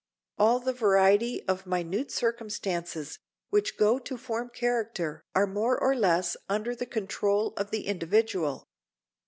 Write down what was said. All the variety of minute circumstances which go to form character are more or less under the control of the individual.